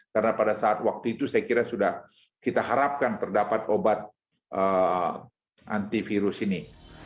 karena pada saat waktu itu saya kira sudah kita harapkan terdapat obat antivirus ini